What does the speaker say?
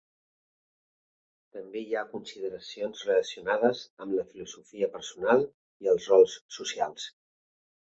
També hi ha consideracions relacionades amb la filosofia personal i els rols socials.